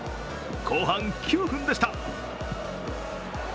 後半９分でした。